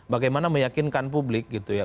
bagaimana meyakinkan publik gitu ya